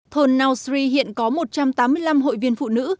thôn nau sri hiện có một trăm tám mươi năm hội viên phụ nữ